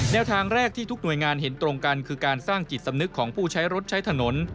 ทางแรกที่ทุกหน่วยงานเห็นตรงกันคือการสร้างจิตสำนึกของผู้ใช้รถใช้ถนน